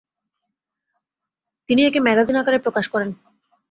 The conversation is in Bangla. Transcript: তিনি একে ম্যাগাজিন আকারে প্রকাশ করেন।